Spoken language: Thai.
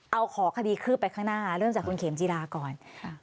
เอาขอคดีคืบไปข้างหน้าเริ่มจากคุณเข็มจีราก่อน